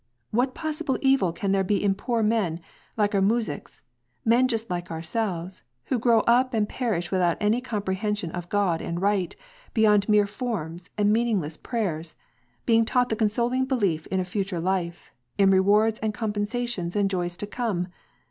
What possible evil can there be in poor men, like our muzhiks, men just like ourselves, who grow up and perish without any comprehension of God and right, beyond mere forms and meaningless prayers, being taught the consoling belief in a future life, in re#ard8 and compensations and joys to come